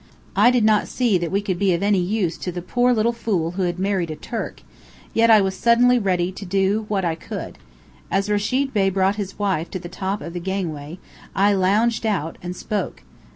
I did not see that we could be of use to the poor little fool who had married a Turk, yet I was suddenly ready to do what I could. As Rechid Bey brought his wife to the top of the gangway, I lounged out, and spoke.